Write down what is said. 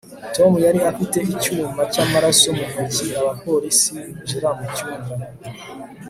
tom yari afite icyuma cyamaraso mu ntoki abapolisi binjira mu cyumba